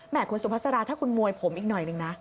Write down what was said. คุณสุภาษาถ้าคุณมวยผมอีกหน่อยนึงนะ